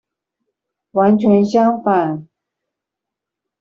完全相反！